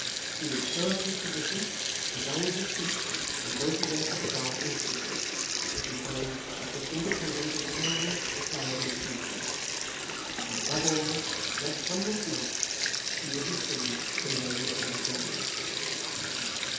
He would throw up his position, resign his seat, and go to work at the Bar instantly, if he found that his independence as a man required him to do so. And, above all, let come what might, he would be true to Mary Flood Jones.